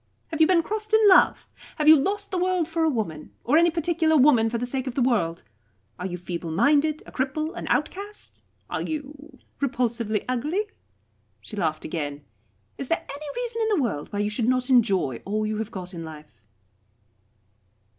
Have you been crossed in love? Have you lost the world for a woman, or any particular woman for the sake of the world? Are you feebleminded, a cripple, an outcast? Are you repulsively ugly?" She laughed again. "Is there any reason in the world why you should not enjoy all you have got in life?"